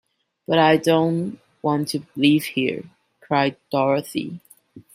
"But I don't want to live here," cried Dorothy.